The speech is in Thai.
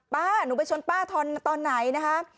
ป้าหนูไปชนป้าทอนตอนไหนนะคะ